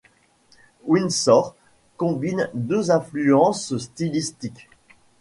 Windsor combine deux influences stylistiques.